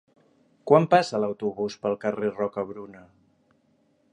Quan passa l'autobús pel carrer Rocabruna?